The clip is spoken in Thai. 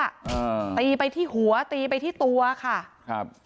อ่าตีไปที่หัวตีไปที่ตัวค่ะครับ